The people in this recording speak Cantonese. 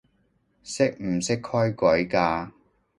識唔識規矩㗎